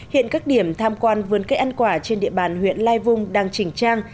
hiện các điểm tham quan vườn cây ăn quả trên địa bàn huyện lai vung đang chỉnh trang